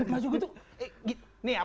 masuk itu nih ya